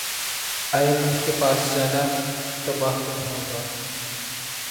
ئی M F کے پاس جانا تباہ کن ہوگا